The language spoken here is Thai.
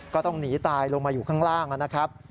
ก็ต้องหนีตายลงมาอยู่ข้างล่างนะครับ